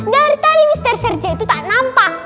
dari tadi mister srege itu tak nampak